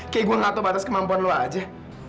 kayak gua ngelato batas kemampuan lu aja